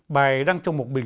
bài đăng trong một bài hình